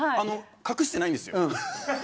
隠してないんですよ。